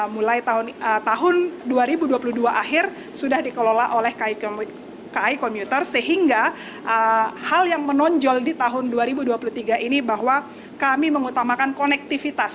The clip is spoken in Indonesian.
mulai tahun dua ribu dua puluh dua akhir sudah dikelola oleh kai komuter sehingga hal yang menonjol di tahun dua ribu dua puluh tiga ini bahwa kami mengutamakan konektivitas